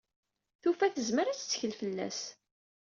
Tufa tezmer ad tettkel fell-as.